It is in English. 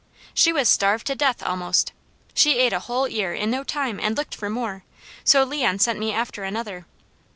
She was starved to death, almost. She ate a whole ear in no time and looked for more, so Leon sent me after another.